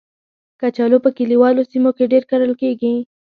کچالو په کلیوالو سیمو کې ډېر کرل کېږي